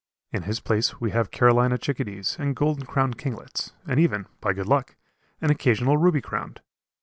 In his place we have Carolina chickadees and golden crowned kinglets and even, by good luck, an occasional ruby crowned.